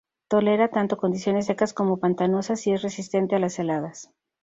Tolera tanto condiciones secas como pantanosas y es resistente a las heladas.